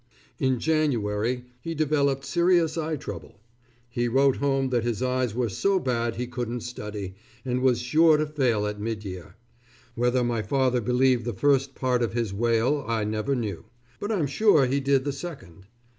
In January, he developed serious eye trouble. He wrote home that his eyes were so bad he couldn't study, and was sure to fail at mid year. Whether my father believed the first part of his wail I never knew, but I'm sure he did the second.